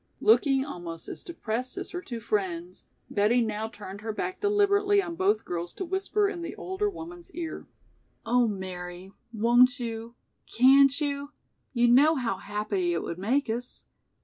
Looking almost as depressed as her two friends, Betty now turned her back deliberately on both girls to whisper in the older woman's ear. "Oh, Mary, won't you, can't you; you know how happy it would make us."